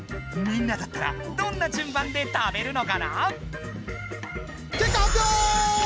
みんなだったらどんな順番で食べるのかな？